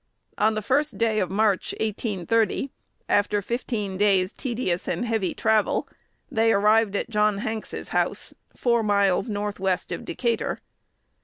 On the first day of March, 1830, after fifteen days' tedious and heavy travel, they arrived at John Hanks's house, four miles north west of Decatur.